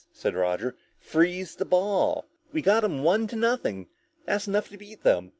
said Roger. "Freeze the ball! We got 'em one to nothing, that's enough to beat them.